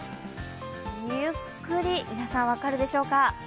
ゆっくり、皆さん分かるでしょうか。